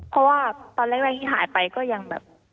เพราะว่าตอนแรกที่หายไปก็ยังแบบ